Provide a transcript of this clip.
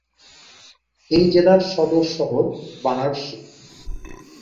এই জেলার সদর শহর বারাণসী।